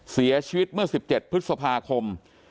เสียชีวิตเมื่อ๑๗พฤษภาคม